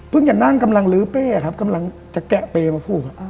พึ่งจะนั่งกำลังลื้อเป้ครับเกะเป้มาผูก